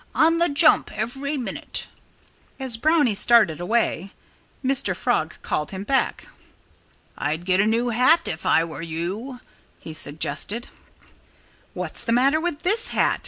"On the jump every minute!" As Brownie started away, Mr. Frog called him back. "I'd get a new hat if I were you," he suggested. "What's the matter with this hat?"